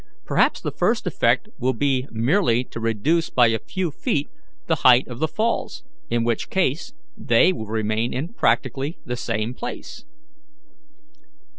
Perhaps the first effect will be merely to reduce by a few feet the height of the falls, in which case they will remain in practically the same place."